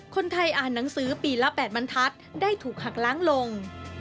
คนไทยอ่านหนังสือปีละ๘บรรทัศน์ได้ถูกหักล้างลง